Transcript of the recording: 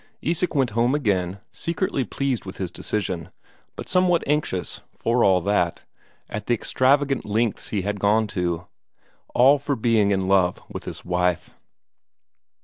Isak went home again, secretly pleased with his decision, but somewhat anxious, for all that, at the extravagant lengths he had gone to, all for being in love with his wife.